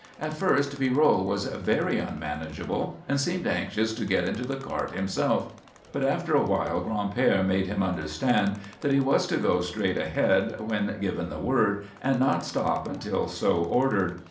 At first Pierrot was very unmanageable and seemed anxious to get into the cart himself, but after a while Gran'père made him understand that he was to go straight ahead when given the word and not stop until so ordered.